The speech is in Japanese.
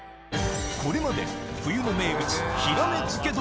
これまで冬の名物